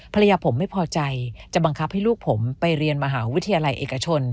ภรรยาผมไม่พอใจจะบังคับให้ลูกผมไปเรียนมหาวิทยาลัยเอกชน